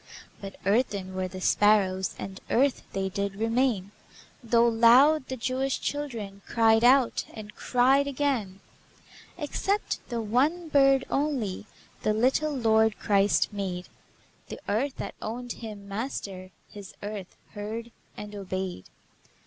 But earthen were the sparrows, And earth they did remain, Though loud the Jewish children Cried out, and cried again. Except the one bird only The little Lord Christ made; The earth that owned Him Master, His earth heard and obeyed.